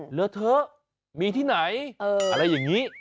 เหลือเถอะมีที่ไหนอะไรอย่างนี้